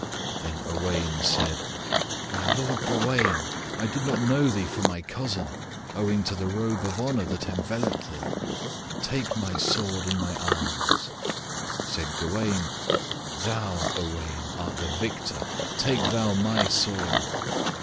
Then Owain said, "My lord Gawain, I did not know thee for my cousin, owing to the robe of honor that enveloped thee; take my sword and my arms." Said Gawain, "Thou, Owain, art the victor; take thou my sword."